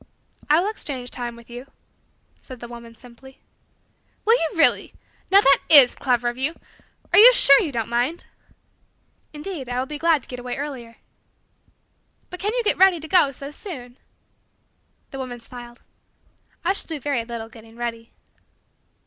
"I will exchange time with you," said the woman simply. "Will you really? Now, that is clever of you! Are you sure that you don't mind?" "Indeed, I will be glad to get away earlier." "But can you get ready to go so soon?" The woman smiled. "I shall do very little getting ready."